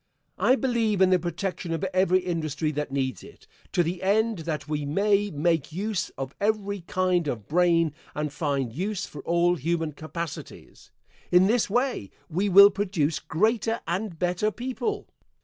I believe in the protection of every industry that needs it, to the end that we may make use of every kind of brain and find use for all human capacities. In this way we will produce greater and better people.